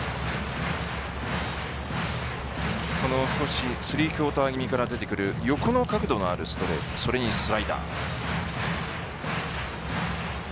少しスリークオーター気味から出てくる横の角度のあるストレート、それにスライダー。